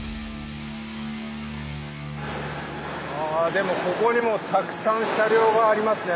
でもここにもたくさん車両がありますね。